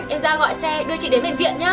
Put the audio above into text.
em ra gọi xe đưa chị đến bệnh viện nhé